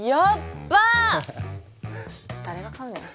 誰が買うねん。